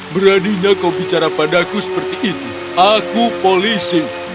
beraninya kau bicara padaku seperti itu aku polisi